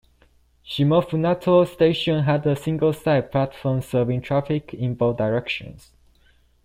Shimofunato Station had a single side platform serving traffic in both directions.